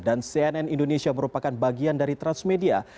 dan cnn indonesia merupakan bagian dari transmedia